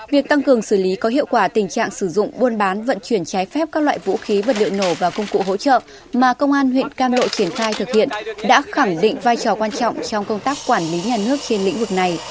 việc tăng cường xử lý có hiệu quả tình trạng sử dụng buôn bán vận chuyển trái phép các loại vũ khí vật liệu nổ và công cụ hỗ trợ mà công an huyện cam lộ triển khai thực hiện đã khẳng định vai trò quan trọng trong công tác quản lý nhà nước trên lĩnh vực này